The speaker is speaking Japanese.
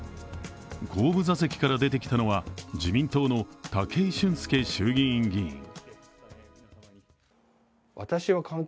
後部座席から出てきたのは自民党の武井俊輔衆議院議員。